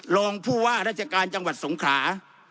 รองผู้ว่าราชการจังหวัดสงขลา